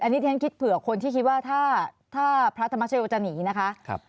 อันนี้ที่ฉันคิดเผื่อคนที่คิดว่าถ้าพระธรรมชโยจะหนีนะคะ